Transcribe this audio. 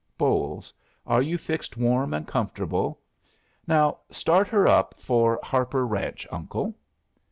Bolles, are you fixed warm and comfortable? Now start her up for Harper ranch, Uncle."